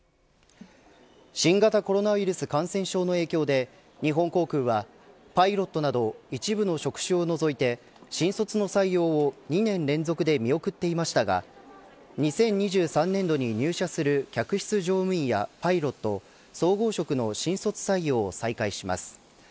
新型コロナウイルス感染症の影響で日本航空は、パイロットなど一部の職種を除いて新卒の採用を２年連続で見送っていましたが２０２３年度に入社する客室乗務員やパイロット総合職の新卒採用を再開します。